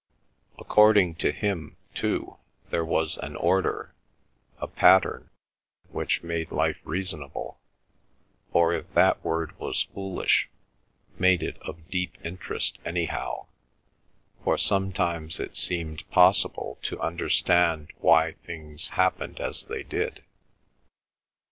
According to him, too, there was an order, a pattern which made life reasonable, or if that word was foolish, made it of deep interest anyhow, for sometimes it seemed possible to understand why things happened as they did.